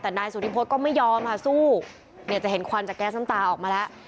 แต่นายสุธิพฤษก็ไม่ยอมค่ะสู้เนี่ยจะเห็นควันจากแก๊สน้ำตาออกมาแล้ว